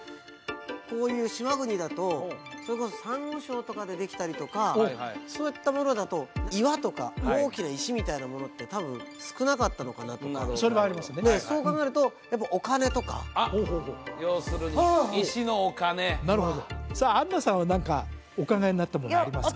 こういう島国だとそれこそさんご礁とかでできたりとかそういったものだと岩とか大きな石みたいなものって多分少なかったのかなとかそれはありますねねえそう考えると要するに石のお金なるほどさあアンナさんは何かお考えになったものありますか？